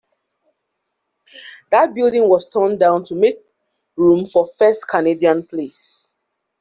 That building was torn down to make room for First Canadian Place.